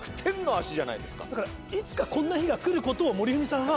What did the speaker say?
だからいつかこんな日が来ることを森富美さんは。